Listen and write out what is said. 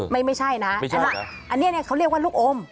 ไม่ใช่นะอันนี้เขาเรียกว่าลูกอม